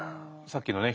さっきのね